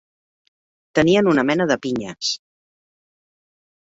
Tenien una mena de pinyes.